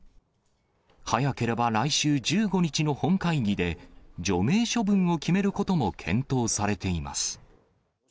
早ければ来週１５日の本会議で、除名処分を決めることも検討されています。